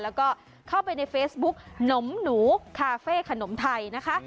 แล้วก็เข้าไปในเฟซบุ๊กหนมหนูคาเฟ่ขนมไทยนะคะ